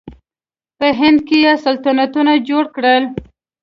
په هند کې یې سلطنتونه جوړ کړل.